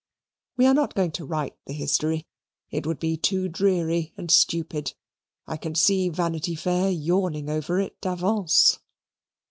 We are not going to write the history: it would be too dreary and stupid. I can see Vanity Fair yawning over it d'avance.